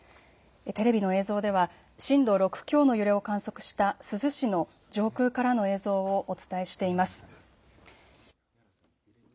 テレビの映像では震度６強の揺れを観測した珠洲市の上空からの映像をお伝えしています。